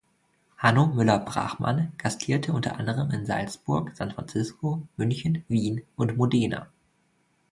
Hanno Müller-Brachmann gastierte unter anderem in Salzburg, San Francisco, München, Wien und Modena.